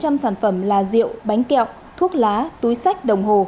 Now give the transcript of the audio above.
trên bốn trăm linh sản phẩm là rượu bánh kẹo thuốc lá túi sách đồng hồ